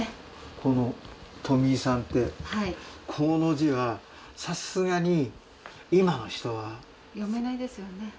このとみいさんってこの字はさすがに今の人は読めない。